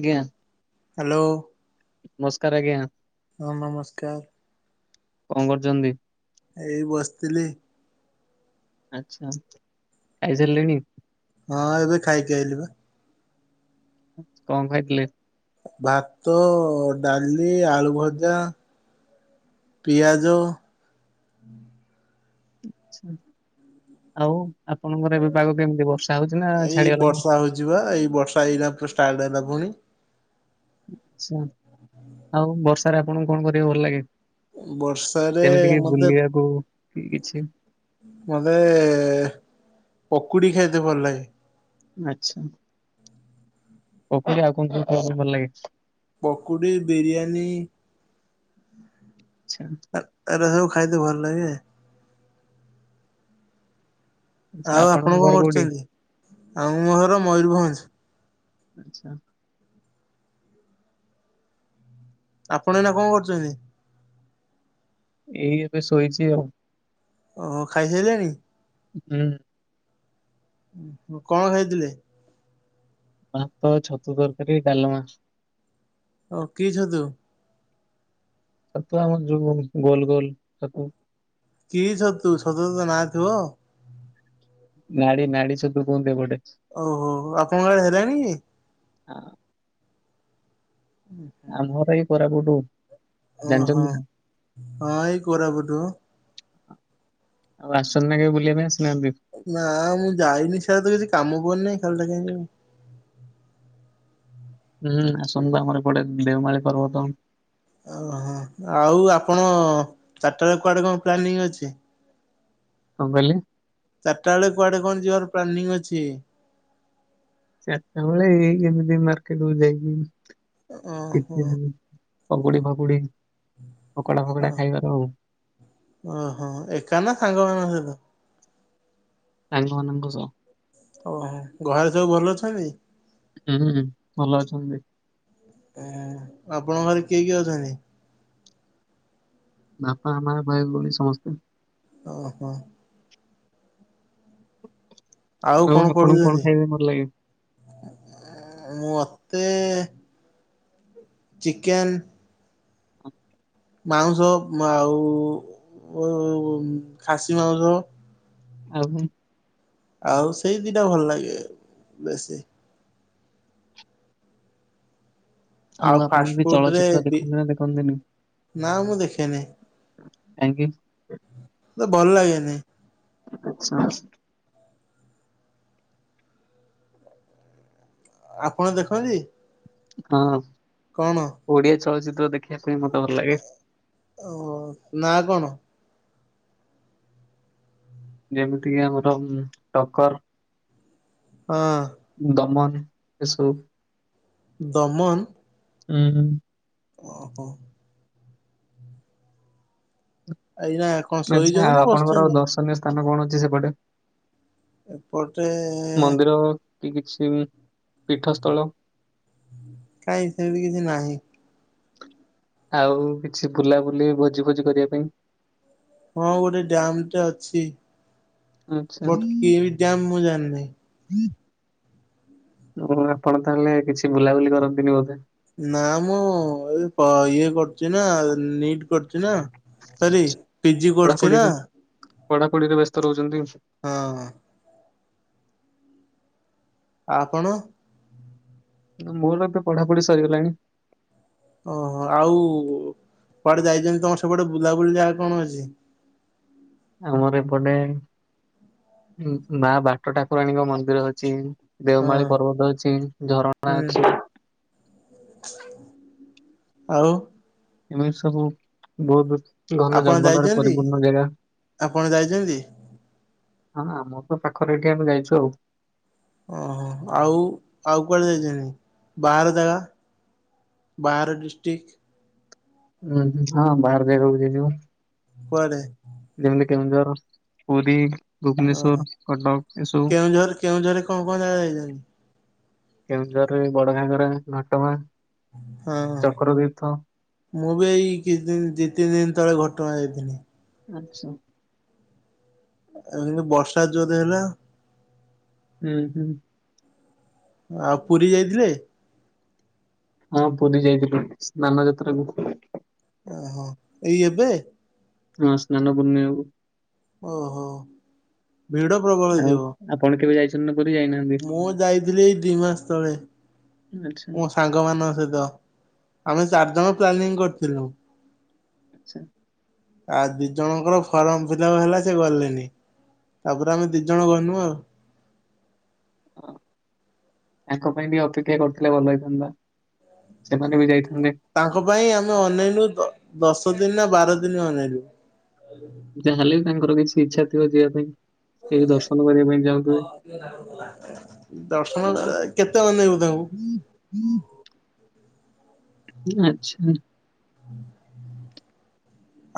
ଆଜ୍ଞା। ହ୍ୟାଲୋ। ମସ୍କାର ଆଜ୍ଞା। ହଁ ନମସ୍କାର। କଣ କରୁଚନ୍ତି। ଏଇ ବସଥିଲି। ଆଛା ଖାଇସାରିଲେଣିି। ହଁ ଏବେ ଖାଇକି ଆଇଲି ବା। କଣ ଖାଇଥିଲେ। ଭାତ ଡାଲି ଆଳୁ ଭଜା। ପିଆଜ। ଆଛା ଆଉ ଆପଣଙ୍କର ଏବେ ପାଗ କେମିତି ବର୍ଷା ହଉଛି ନା ଛାଡିଗଲାଣି। ଯିବା ଏଇ ବର୍ଷା ଏଇନା ଫେର୍ ଷ୍ଟାର୍ଟ ହେଲା ପୁଣି। ଆଛା ଆଉ ବର୍ଷାରେ ଆପଣଙ୍କୁ କଣ କରିବାକୁ ଭଲ ଲାଗେ। ବର୍ଷାରେ ଯେମିତିକି ମତେ ବୁଲିବାକୁ କିଛି ମୋତେ ପକୁଡ଼ି ଖାଇତେ ଭଲ ଲାଗେ। ଆଚ୍ଛା। ପକୁଡ଼ି ଆଉ କଣ ଖାଇବାକୁ ଭଲ ଲାଗେ। ପକୁଡ଼ି ବିରିଆନୀ। ଆଛା। ଏ ଏରା ସବୁ ଖାଇତେ ଭଲ ଲାଗେ। ଆଚ୍ଛା ଆଉ ଆପଣଙ୍କ ଆପଣ କଣ ଘର କୋଉଠି? କରୁଛନ୍ତି ଆଉ ମର ମୟୂରଭଞ୍ଜ। ଆଚ୍ଛା। ଆପଣ ଏଇନା କଣ କରୁଛନ୍ତି। ଏଇ ଏବେ ଶୋଇଛି ଆଉ। ଓହ ଖାଇସାରିଲେଣି। ହୁଁ। କଣ ଖାଇଥିଲେ। ଭାତ ଛତୁ ତରକାରୀ ଡାଲମା। ଓ କି ଛତୁ। ଛତୁ ଆ ମ ଯୋଉ ଗୋଲ ଗୋଲ ଛତୁ। କି ଛତୁ ଛତୁର ତ ନା ଥିବ। ନାଡି ନାଡି ଛତୁ କୁହନ୍ତି ଏପଟେ। ଓହୋ ଆପଣଙ୍କଆଡେ ହେଲାଣି କି। ହଁ। ଆମ ଘର ଏଇ କୋରାପୁଟୁ। ଓହୋ, ଜାଣିଛନ୍ତି ନା? ହଁ ଏଇ କୋରାପୁଟ ଆଉ ଆସୁଛନ୍ତି ନା କେବେ ବୁଲିବା ପାଇଁ, ଆସୁନାହାନ୍ତି? ନାଁ, ମୁଁ ଯାଇନି ସେଆତ, କିଛି କାମ ପଡ଼ିନି, ଖାଲିଟା କାହିଁକି ଯିବି। ହୁଁ ଆସନ୍ତୁ ଆମର ଏପଟେ, ଦେଓମାଳି ପର୍ବତ ଓହୋ, ଆଉ ଆପଣ, ଚାରଟାରେ କୁଆଡେ କଣ ପ୍ଲାନିଂ ଅଛି? କଣ କହିଲେ? ଚାରିଟା ବେଳେ କୁଆଡେ କଣ ଯିବାର ପ୍ଲାନିଂ ଅଛି? ଚାରିଟା ବେଳେ ଏଇ ଏମିତି ମାର୍କେଟ କୁ ଯାଇକି, ଓହୋ ଟିଫିନି ପକୁଡି ଫକୁଡି, ପକୋଡା ଫକଡା, ଖାଇବାର ଆଉ ଓହୋ, ଏକା ନା, ସାଙ୍ଗମାନଙ୍କ ସହିତ? ସାଙ୍ଗମାନଙ୍କ ସହ ଓହୋ, ଘରେ ସବୁ ଭଲ ଅଛନ୍ତି? ହୁଁ, ହୁଁ, ଭଲ ଅଛନ୍ତି। ଆପଣଙ୍କ ଘରେ କିଏ କିଏ ଅଛନ୍ତି? ବାପା ମା, ଭାଇ, ଭଉଣୀ ସମସ୍ତେ ଓହୋ। ଆଉ କଣ ଆପଣଙ୍କୁ ପଢୁଚନ୍ତି? ଖାଇବା ପାଇଁ ଭଲ ଲାଗେ? ମତେ ଚିକେନ୍ ମାଉଁସ, ଆଉ ଖାସି ମାଉଁସ ଆଉ ଆଉ ସେଇ ଦିଟା ଭଲ ଲାଗେ, ବେଶୀ। ଆଉ ଆପଣ ଫାଷ୍ଟ ବି ଫୁଡ ରେ ଚଳଚିତ୍ର ବି ଦେଖନ୍ତି ନା ଦେଖନ୍ତିନି? ନା ମୁଁ ଦେଖେନି। Thank you. ତ, ଭଲ ଲାଗେନି। ଆଛା। ଆପଣ ଦେଖନ୍ତି? ହଁ। କଣ? ଓଡିଆ ଚଳଚିତ୍ର ଦେଖିବା ପାଇଁ ମତେ ଭଲ ଲାଗେ। ଓ, ନା କଣ? ଯେମିତିକ ଆମର, ଟକର। ହଁ ଅଁ। ଦମନ, ଏସବୁ। ଦମନ ଉଁ ହୁଁ। ଓ ହୋ। ଆଇନା। ଆଛା, ଆଉ ଆପଣଙ୍କର ଦର୍ଶନୀୟ ସ୍ଥା ସ୍ଥାନ କଣ ଅଛି ସେପଟେ? ଏପଟେ ମନ୍ଦିର କି କିଛି ପୀଠସ୍ଥଳ? କାଇଁ ସେମତି କିଛି ନାହିଁ। ଆଉ କିଛି ବୁଲାବୁଲି, ଭୋଜି ଫୋଜି କରିବା ପାଇଁ ହଁ, ଗୋଟେ ଡ୍ୟାମ ଟେ ଅଛି। ଆଛା। ବଟ କି ଡ୍ୟାମ ମୁଁ ଜାଣିନି। ଆଉ ଆପଣ ତାହେଲେ କିଛି ବୁଲାବୁଲି କରନ୍ତିନି ବୋଧେ? ନା ମୁଁ ଏ ଇଏ କରଛି ନା ନିଟ କରିଛି ନା ଆରେ ପିଜି କରୁଛି ନା ପଢାପଢିରେ ପଢାପଢିରେ ବ୍ୟସ୍ତ ରହୁଛନ୍ତି। ହଁ। ଆପଣ? ମୋର ଏବେ ପଢା ପଢି ସରିଗଲାଣି। ଓହୋ ଆଉ କୁଆଡେ ଯାଇଛନ୍ତି, ତମର ସବୁଟେ ବୁଲାବୁଲି ଜାଗା କଣ ଅଛି? ଆମର ଏପଟେ ମା ବାଟ ଠାକୁରାଣୀଙ୍କ ମନ୍ଦିର ଅଛି। ହଁ ଦେଓମାଳି ପର୍ବତ ଅଛି, ଝରଣା ହୁଁ ଅଛି ଆଉ? ଏମିତି ସବୁ ବହୁତ ଘନ ଆପଣ ଜଙ୍ଗଲରେ ଯାଇଛନ୍ତି? ପରିପୂର୍ଣ୍ଣ ଜାଗା। ଆପଣ ଯାଇଛନ୍ତି? ହଁ ଆମର ତ ପାଖରେ ଏଠି ଆମେ ଯାଇଛୁ ଆଉ। ଓହୋ ଆଉ, ଆଉ କୁଆଡେ ଯାଇଛନ୍ତି, ବାହାର ଜାଗା? ବହାର ଡିଷ୍ଟ୍ରିକ୍? ଉୁଁ ହଁ ବାହାର ଜାଗା କୁ ଯିଏ ଯିବ। କୁଆଡେ? ଯେମିତି କେନ୍ଦୁଝର, ପୁରୀ, ଓହୋ ଭୁବନେଶ୍ଵର, କଟକ ଏସବୁ। କେଉଁଝର କେଉଁଝରରେ କୋଉ କୋଉ ଜାଗା ଯାଇଛନ୍ତି? କେଉଁଝରରେ ବଡ ଘାଗରା, ଘଟଗାଁ। ହଁ। ଚକ୍ର ତୀର୍ଥ ମୁଁ ବି ଏଇ କିଛି ଦିନ, ଦିଇ ତିନି ଦିନ ତଳେ, ଘଟଗାଁ ଯାଇଥିଲି। ଆଚ୍ଛା। ଆ କିନ୍ତୁ ବର୍ଷା ଜୋରେ ହେଲା। ହୁଁ ହୁଁ। ଆଉ ପୁରୀ ଯାଇଥିଲେ? ହଁ ପୁୁରୀ ଯାଇଥିଲୁ, ସ୍ନାନ ଯାତ୍ରାକୁ। ଓହୋ ଏଇ ଏବେ? ହଁ ସ୍ନାନପୂର୍ଣ୍ଣିମାକୁ। ଓହୋ। ଭିଡ ପ୍ରବଳ ଆଉ ଥିବ, ଆପଣ କେବେ ଯାଇଛନ୍ତି ନା ପୁରୀ ଯାଇନାହାନ୍ତି ମୁଁ ଯାଇଥିଲି ଏଇ ଦି ମାସ ତଳେ। ଆଚ୍ଛା। ମୋ ସାଙ୍ଗ ମାନଙ୍କ ସହିତ, ଆମେ ଚାରିଜଣ ପ୍ଲାନିଂ କରିଥିଲୁ। ଆଚ୍ଛା। ଆ ଦି ଜଣଙ୍କର ଫର୍ମ ଫିଲଅପ ହେଲା, ସେ ଗଲେନି, ତାପରେ ଆମେ ଦି ଜଣ ଗନୁ ଆଉ। ହ ତାଙ୍କ ପାଇଁ ବି ଅପେକ୍ଷା କରିଥିଲେ ଭଲ ହେଇଥାନ୍ତା। ସେମାନେ ବି ଯାଇଥାନ୍ତେ। ତାଙ୍କ ପାଇଁ ଆମେ ଅନେଇଲୁ ଦଶ ଦିନ ନା ବାର ଦିନ ଅନେଇଲୁ। ଯାହା ହେଲେ ବି ତାଙ୍କର କିଛି ଇଚ୍ଛା ଥିବ ଯିବା ପାଇଁ। ସେଇ ଦର୍ଶନ କରିବା ପାଇଁ ଯାଉଥିବେ। ଦର୍ଶନ କେତେ ଅନେଇବୁ ତାଙ୍କୁ। [inaudible] ଆଚ୍ଛା।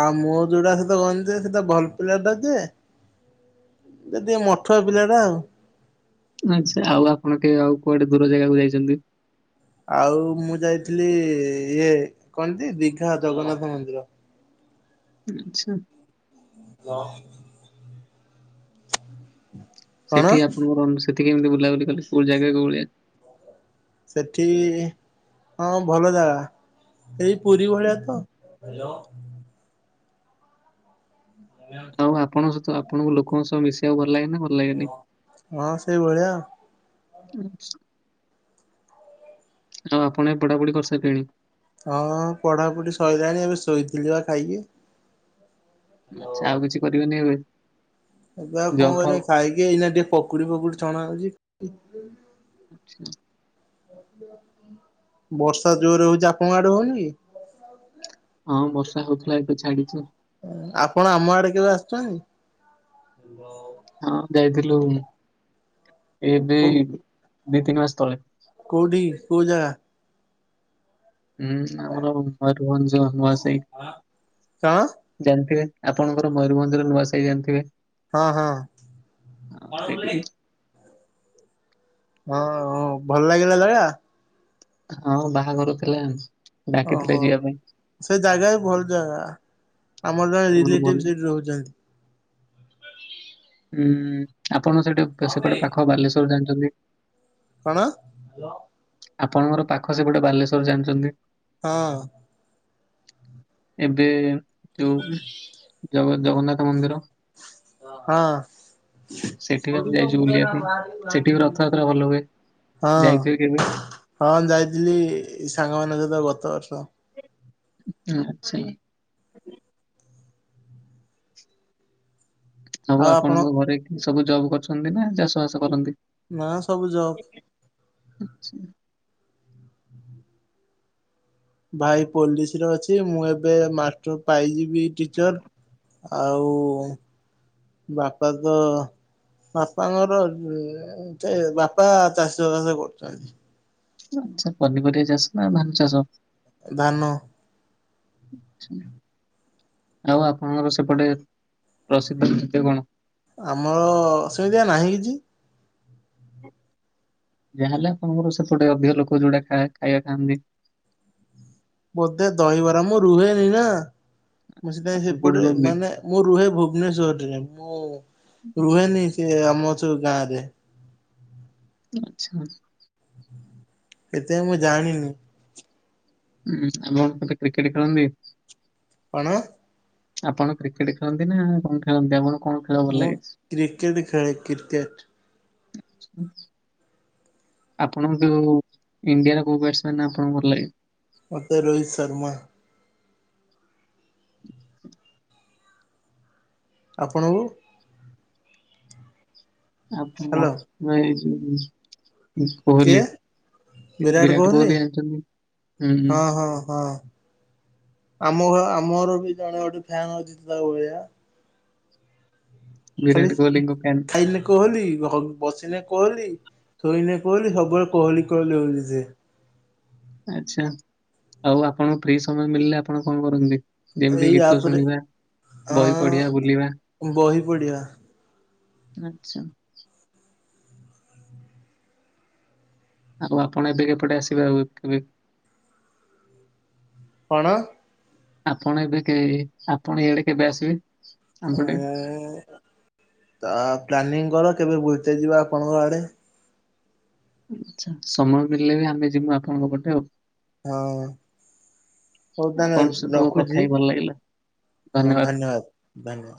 ଆଉ ମୋ ଯୋଉଟା ସେତ ଗଞ୍ଜ ସେତ ଭଲ ପିଲା ଟା ଯେ ଯ ଟିକେ ମଠୁଆ ପିଲା ଟା ଆଉ। ଆଛା ଆଉ ଆପଣ କେବେ ଆଉ, କୁଆଡେ ଦୂର ଜାଗାକୁ ଯାଇଛନ୍ତି? ଆଉ ମୁଁ ଯାଇଥିଲି ଇଏ କଣତୀ ଦୀଘା ଜଗନ୍ନାଥ ମନ୍ଦିର। ଆଚ୍ଛା। [unintelligible] କଣ ସେଠି ଆପଣଙ୍କର ସେଠି କେମିତି ବୁଲାବୁଲି କଲେ କୋଉ ଜାଗା କୋଉ ଭଳିଆ। ସେଠି ହଁ ଭଲ ଜାଗା। ଏଇ ପୁରୀ ଭଳିଆ ତ। [unintelligible] ଆଉ ଆପଣଙ୍କ ସହିତ ଆପଣଙ୍କୁ ଲୋକଙ୍କ ସହ ମିଶିବାକୁ ଭଲ ଲାଗେନା କଣ? ହଁ ସେଇଭଳିଆ। ଆଉ ଆପଣ ଏ ପଢାପଢି କରିସାଇଲେଣି? ହଁ ପଢାପଢ଼ି ସଇଲାଣି ଏବେ ଶୋଇଥିଲି ବା ଖାଇକି। ଆଛା ଆଉ କିଛି କରିବେନି ଏବେ? ଏବେ ଆଉ କଣ ଜବ୍ କରିବି ଫବ୍? ଖାଇକି ଏଇନା ଟିକେ ପକୁଡି ଫକୁଡି ଛଣା ହଉଚି। ଆଚ୍ଛା। [unintelligible] ବର୍ଷା ଜୋରେ ହଉଚି ଆପଣଙ୍କ ଆଡେ ହଉନି କି? ହଁ ବର୍ଷା ହଉଥିଲା ଏବେ ଛାଡିଚି। ଆପଣ ଆମ ଆଡେ କେବେ ଆସିଚନ୍ତି? ହାଲୋ ହଁ ଯାଇଥିଲୁ ଏବେ କୋ ଏଇ ଦି ତିନି ମାସ ତଳେ। କୋଉଠି କୋଉ ଜାଗା? ଉଁ ଆମର ମୟୂରଭଞ୍ଜ ନୂଆ ସାହି। କଣ ଜାଣିଥିବେ ଆପଣଙ୍କର ମୟୂରଭଞ୍ଜରେ ନୂଆ ସାହି ଜାଣିଥିବେ। ହଁ ହଁ ଆଉ ସେଇଠି [unintelligible] ହଁ ହଁ ଭଲ ଲାଗିଲା ଜାଗା? ହଁ ବାହାଘର ଥିଲାନସ୍। ଓହୋ ସେ ଜାଗା ଭଲ ଜାଗା। ଆମର ଜଣେ ହଁ, ଭଲ ରିଲେଟିଭ୍ ସେଇଠି ରହୁଚନ୍ତି। ହୁଁ ଆପଣ ସେଠି ସେପଟେ ପାଖ ବାଲେଶ୍ୱର ଜାଣିଚନ୍ତି। କଣ? ଆପଣଙ୍କର ପାଖ ସେପଟେ ବାଲେଶ୍ଵର ଜାଣିଚନ୍ତି। ହଁ। ଏବେ ଯୋଉ ଜଗ ଜଗନ୍ନାଥ ମନ୍ଦିର। ହଁ। ସେଠି ବି ଆମେ ଯାଇଚୁ ବୁଲିବା ପାଇଁ ସେଠି ବି ରଥଯାତ୍ରା ଭଲ ହୁଏ ହଁ ଯାଇଥିବେ କେବେ? ହଁ ଯାଇଥିଲି ସାଙ୍ଗମାନଙ୍କ ସହିତ ଗତବର୍ଷ। ଉଁ ଆ ଆଚ୍ଛା ଇଏ। ସବୁ ଆଉ ଆପଣ ଆପଣଙ୍କ ଘରେ ସବୁ ଜବ୍ କରିଛନ୍ତି ନା ଚାଷ ବାସ କରନ୍ତି। ନା ସବୁ ଜବ୍। ଆଚ୍ଛା। ଭାଇ ପୋଲିସରେ ଅଛି ମୁଁ ଏବେ ମାଷ୍ଟର ପାଇଯିବି ଟିଚର୍। ଆଉ ବାପା ତ ବାପାଙ୍କ ସେ ବାପା ଚାଷ ବାସ କରୁଛନ୍ତି। ଆଛା ପନିପରିବା ଚାଷ ନା ଧାନ ଚାଷ ଧାନ। [inaudible] ଆଉ ଆପଣଙ୍କର ସେପଟେ ପ୍ରସିଦ୍ଧ ନୃତ୍ୟ କଣ? ଆମର ସେମିତିଆ ନାହିଁ କିଛି। ଯାହା ହେଲେ ଆପଣଙ୍କର ସେପଟେ ଅଧିକ ଲୋକ ଯୋଉଟା ଖା-ଖାଇବା ଖାଆନ୍ତି। ବୋଧେ ଦହିବରା, ମୁଁ ରୁହେନି ନା, ମୁଁ ଆଚ୍ଛା, ସେଥିାଇଁ ଆପଣ କୋଉଠି ସେପଟେ ରୁହନ୍ତି? ମାନେ ମୁଁ ରୁହେ ଭୁବନେଶ୍ଵରରେ ଯାଇ, ମୁଁ ରୁହେନି ସେ ଆମ ସଉ ଗାଁରେ। ତ ଆଚ୍ଛା, ଆଚ୍ଛା। ସେଇଥିପାଇଁ ମୁଁ ଜାଣିନି। ଉଁ, ଆମ ମୋତେ କ୍ରିକେଟ୍ ଖେଳନ୍ତି? କଣ? ଆପଣ କ୍ରିକେଟ ଖେଳନ୍ତି ନା କଣ ଖେଳନ୍ତି? ଆପଣ କଣ ଖେ ମୁଁ କ୍ରିକେଟ୍ ଖେଳେ କ୍ରିକେଟ୍। [inaudible] ଆପଣଙ୍କ ଯୋଉ ଇଣ୍ଡିଆର କୋଉ ବ୍ୟାଟସମ୍ୟାନ୍ ଆପଣଙ୍କୁ ଭଲ ଲାଗେ? ମୋତେ ରୋହିତ ଶର୍ମା। [inaudible] ଆପଣଙ୍କୁ? ଆଉ ହ୍ୟାଲୋ ମୋତେ ତ ଏଇ ଯେ କିଏ କୋହଲି। ବିରାଟ କୋହଲି ହୁଁ ହୁଁ ହଁ, ହଁ, ହଁ। ଆମରହ ଆମ ଘର ବି ଜଣେ ଗୋଟେ ଫ୍ୟାନ ଅଛି ତା ଭଳିଆ। ଖେଳି ବିରାଟ କୋହଲିଙ୍କ ଫ୍ୟାନ୍। ଖାଇଲେ କୋହଲି ହଂ-ବସିନେ କୋହଲି, ଶୋଇନେ କୋହଲି, ସବୁବେଳେ କୋହଲି କୋହଲି ହଉଚି ସିଏ। ଆଚ୍ଛା, ଆଉ ଆପଣ ଫ୍ରି ସମୟ ମିଳିଲେ ଆପଣ କଣ କରନ୍ତି? ଯେମିତି ଏଇ ଗୀତ ଆପରେ ଶୁଣିବା, ଅ ବହି ପଢିବା, ବୁଲିବା। ବହି ପଢିବା ଆଚ୍ଛା। ଆଉ ଆପଣ ଏବେ ଏପଟେ ଆସିବେ ଆଉ କେବେ? କଣ? ଆପଣ ଏବେ କେ-ଆପଣ ଇଆଡେ କେବେ ଆସିବେ ଆମ ପଟେ? ଏ ତ ପ୍ଲାନିଂ କର କେବେ ବୁଲତେ ଯିବା ଆପଣଙ୍କ ଆଡ଼େ? ଆଚ୍ଛା ସମୟ ମିଳିଲେ ବି ଆମେ ଯବି ଆପଣଙ୍କ ପଟେ ଆଉ। ହଁ। ହଉ ତାନେ ଆପଣଙ୍କ ସହିତ କଥା ରଖୁଚି? ହେଇ ଭଲ ଲାଗିଲା। ହଁ ଧନ୍ୟବାଦ ଧନ୍ୟବାଦ।